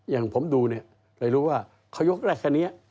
อย่างผมดูเนี่ยเลยรู้ว่าเขายกแรกแค่นี้